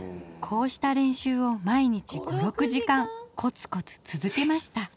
こうした練習を毎日５６時間コツコツ続けました。